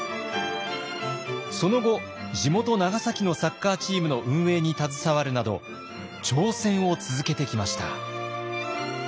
その後地元・長崎のサッカーチームの運営に携わるなど挑戦を続けてきました。